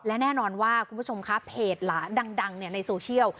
และแน่นอนว่าคุณผู้ชมครับเพจหลาดังในโซเชียล